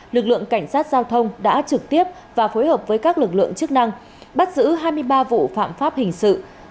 lực lượng cảnh sát giao thông đã trực tiếp và phối hợp với các lực lượng chức năng bắt giữ hai mươi ba vụ phạm pháp hình sự